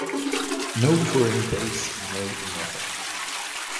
No touring base, no nothing.